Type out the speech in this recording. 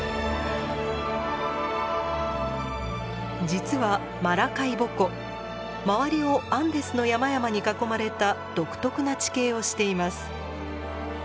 実はマラカイボ湖周りをアンデスの山々に囲まれた独特な地形をしています。